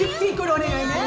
・お願いね・・